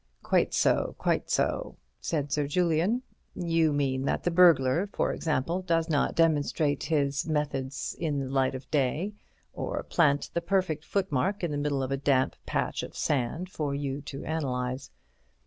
"Quite so, quite so," said Sir Julian; "you mean that the burglar, for example, does not demonstrate his methods in the light of day, or plant the perfect footmark in the middle of a damp patch of sand for you to analyze."